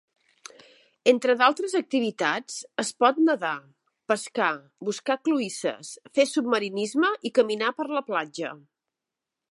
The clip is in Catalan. Entre altres activitats, es pot nadar, pescar, buscar cloïsses, fer submarinisme i caminar per la platja.